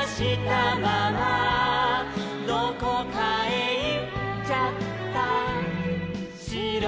「どこかへいっちゃったしろ」